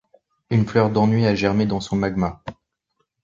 Une fleur d’ennui a germé dans son magma.